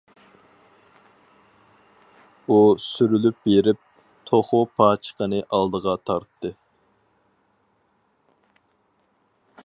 ئۇ سۈرۈلۈپ بېرىپ، توخۇ پاچىقىنى ئالدىغا تارتتى.